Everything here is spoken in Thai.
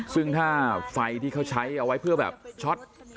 ซึ่งถ้าไฟที่เขาใช้เอาไว้เพื่อแบบช็อต